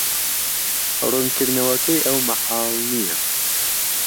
ڕوونكردنەوەكەی ئەو مەحال نییە.